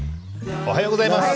おはようございます。